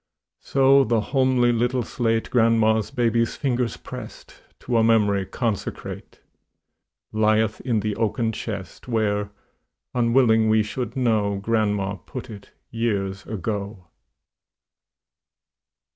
So the homely little slate Grandma's baby's fingers pressed, To a memory consecrate, Lieth in the oaken chest, Where, unwilling we should know, Grandma put it, years ago.